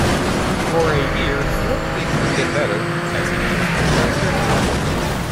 For a year, he hoped things would get better, as he noted, without surgery.